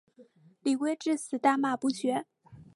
李圭至死大骂不绝。